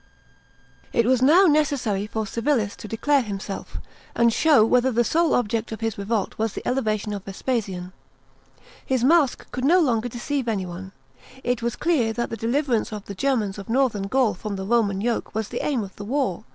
It was now necessary for Chilis to declare himsdf, and show whether the sole object of his revolt was the elevation of Vespasian. His mask could no longer deceive anyone ; it was clear that the deliverance of the Germans of Northern Gaul from the Roman yoke was the aim of the war.